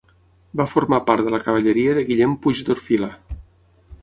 Va formar part de la cavalleria de Guillem Puigdorfila.